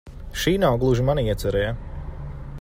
Šī nav gluži mana iecere, ja?